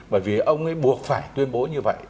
bởi vì ông ấy buộc phải tuyên bố như vậy